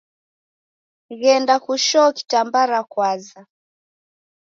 Ghenda kushoo kitambara kwaza.